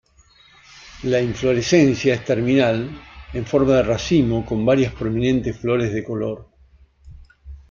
La inflorescencia es terminal en forma de racimo con varias prominentes flores de color.